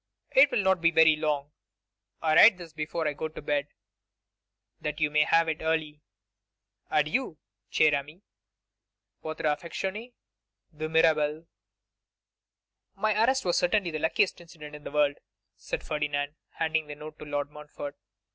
It will not be very long. I write this before I go to bed, that you may have it early. Adieu, cher ami. 'Votre affectionné, 'De Mirabel. 'My arrest was certainly the luckiest incident in the world,' said Ferdinand, handing the note to Lord Montfort.